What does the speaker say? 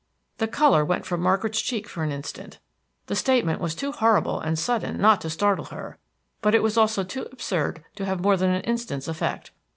The color went from Margaret's cheek for an instant. The statement was too horrible and sudden not to startle her, but it was also too absurd to have more than an instant's effect.